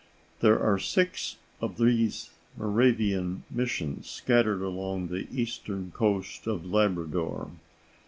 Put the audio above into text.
There are six of these Moravian missions scattered along the eastern coast of Labrador.